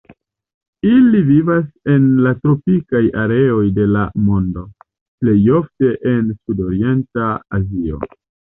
Ili vivas en la tropikaj areoj de la mondo, plej ofte en sudorienta Azio.